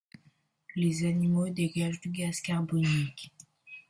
Les animaux dégagent du gaz carbonique.